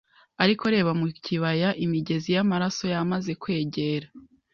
Ariko reba mu kibaya imigezi y'amaraso yamaze kwegera